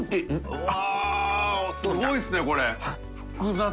うわっすごいですねこれ。